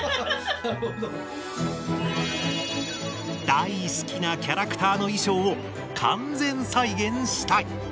大好きなキャラクターの衣装を完全再現したい！